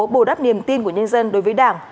bổ đắp niềm tin của nhân dân đối với đảng